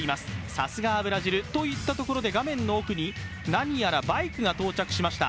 さすがはブラジルといったところで、画面の奥に何やらバイクが到着しました。